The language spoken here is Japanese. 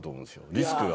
リスクが。